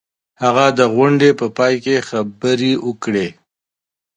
هغه د غونډې په پای کي خبري وکړې.